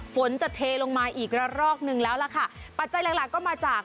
ฝนจะเทลงมาอีกระรอกนึงแล้วล่ะค่ะปัจจัยหลักหลักก็มาจาก